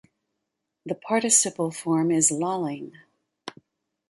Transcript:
The participle form is lolling.